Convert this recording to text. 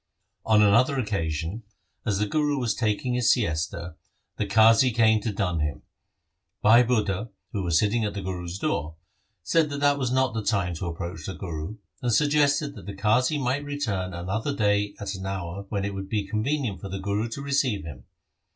On another occasion, as the Guru was taking his siesta, the Qazi came to dun him. Bhai Budha, who Was sitting at the Guru's door, said that that was not the time to approach the Guru, and suggested that the Qazi might return another day at an hour when it would be convenient for the Guru to receive him.